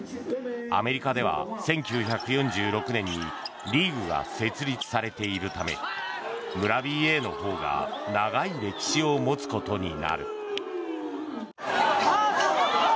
アメリカでは１９４６年にリーグが設立されているため村ＢＡのほうが長い歴史を持つことになる。